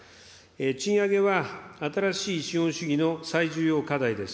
賃上げは新しい資本主義の最重要課題です。